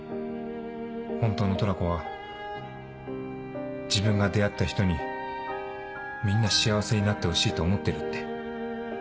本当のトラコは自分が出会った人にみんな幸せになってほしいと思ってるって。